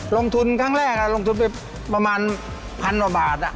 ลงทุนครั้งแรกลงทุนไปประมาณ๑๐๐๐บาท